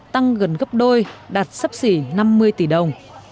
tăng gần gấp đôi đạt sấp xỉ năm mươi tỷ đồng